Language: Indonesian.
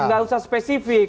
iya tidak usah spesifik